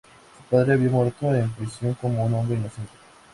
Su padre había muerto en prisión como un hombre inocente.